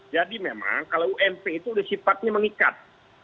jadi memang kalau ump itu sudah sifatnya mengikat